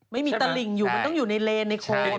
ไม่มีตลิ่งอยู่มันต้องอยู่ในเลนในโคน